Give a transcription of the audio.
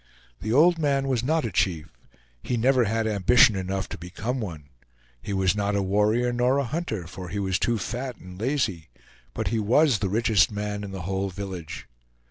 The old man was not a chief; he never had ambition enough to become one; he was not a warrior nor a hunter, for he was too fat and lazy: but he was the richest man in the whole village.